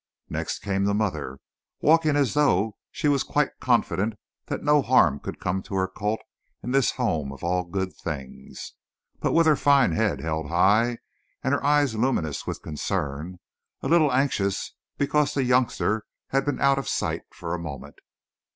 Next came the mother, walking, as though she was quite confident that no harm could come to her colt in this home of all good things, but with her fine head held high and her eyes luminous with concern, a little anxious because the youngster had been out of sight for a moment.